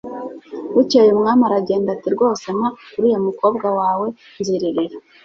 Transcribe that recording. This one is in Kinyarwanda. bukeye umwami aragenda ati 'rwose mpa uriya mukobwa wawe nzirerera